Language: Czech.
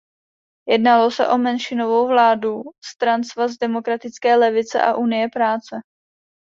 Jednalo se o menšinovou vládu stran Svaz demokratické levice a Unie práce.